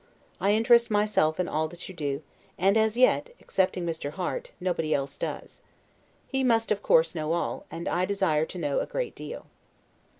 I interest myself in all that you do; and as yet (excepting Mr. Harte) nobody else does. He must of course know all, and I desire to know a great deal.